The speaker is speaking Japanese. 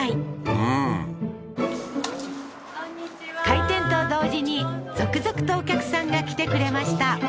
うん開店と同時に続々とお客さんが来てくれました